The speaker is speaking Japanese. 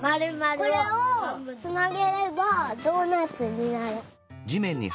これをつなげればドーナツになる。